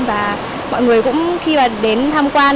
và mọi người cũng khi mà đến thăm quan